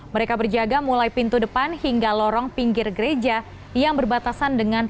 mereka berjaga mulai pintu depan hingga lorong pinggir gereja yang berbatasan dengan